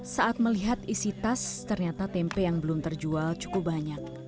saat melihat isi tas ternyata tempe yang belum terjual cukup banyak